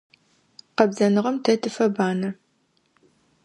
Къэбзэныгъэм тэ тыфэбанэ.